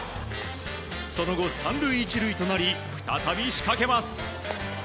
その後、３塁１塁となり再び仕掛けます。